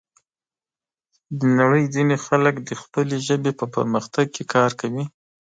د نړۍ ځینې خلک د خپلې ژبې په پرمختګ کې کار کوي.